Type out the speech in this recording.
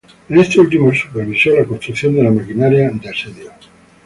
En este último, supervisó la construcción de la maquinaria de asedio.